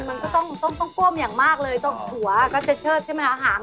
มันก็ต้องก้มอย่างมากเลยหลวงหัวก็จะเชิดใช่ไหมค่ะ